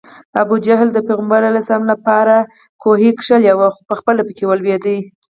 ابوجهل د پیغمبر ص لپاره کوهی کیندلی و خو پخپله پکې ولوېد